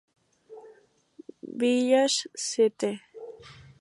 Village St.